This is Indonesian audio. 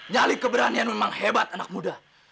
nyalik keberanian memang hebat anak muda